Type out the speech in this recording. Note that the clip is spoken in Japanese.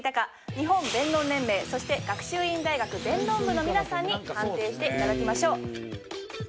日本弁論連盟、そして学習院大学弁論部の皆さんに判定していただきましょう。